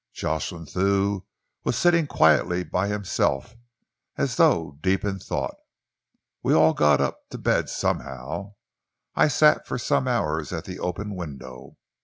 Jocelyn Thew was sitting quite by himself, as though deep in thought. We all got up to bed somehow. I sat for some hours at the open window.